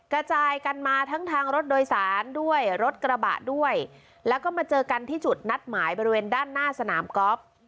กระจายกันมาทั้งทางรถโดยสารด้วยรถกระบะด้วยแล้วก็มาเจอกันที่จุดนัดหมายบริเวณด้านหน้าสนามกอล์ฟ